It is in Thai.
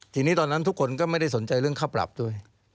ทีนี้ตอนนั้นทุกคนก็ไม่ได้สนใจเรื่องค่าปรับด้วย